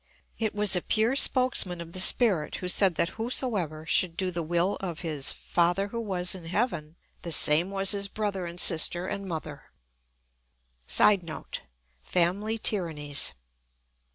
It was a pure spokesman of the spirit who said that whosoever should do the will of his Father who was in heaven, the same was his brother and sister and mother. [Sidenote: Family tyrannies.